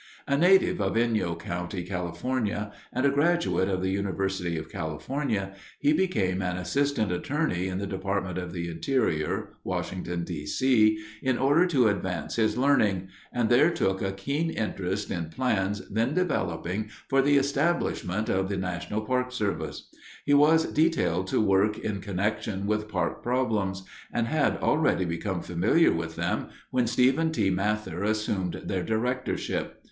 A native of Inyo County, California, and a graduate of the University of California, he became an assistant attorney in the Department of the Interior, Washington, D. C., in order to advance his learning, and there took a keen interest in plans then developing for the establishment of the National Park Service. He was detailed to work in connection with park problems and had already become familiar with them when Stephen T. Mather assumed their directorship.